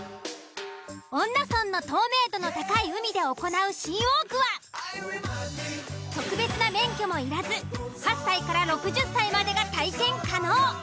恩納村の透明度の高い海で行うシーウォークは特別な免許もいらず８歳から６０歳までが体験可能。